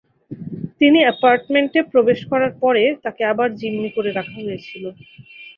তিনি অ্যাপার্টমেন্টে প্রবেশ করার পরে, তাকে আবার জিম্মি করে রাখা হয়েছিল।